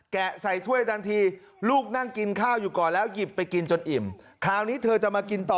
ใส่ถ้วยทันทีลูกนั่งกินข้าวอยู่ก่อนแล้วหยิบไปกินจนอิ่มคราวนี้เธอจะมากินต่อ